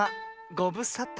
ごぶさた。